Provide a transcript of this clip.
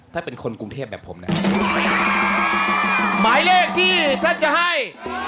ถ้าเป็นคนกรุงเทพแบบผมนะหมายเลขที่ท่านจะให้